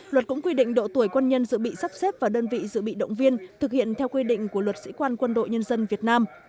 luật cũng quy định độ tuổi quân nhân dự bị sắp xếp vào đơn vị dự bị động viên thực hiện theo quy định của luật sĩ quan quân đội nhân dân việt nam